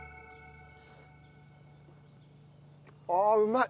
ああうまい！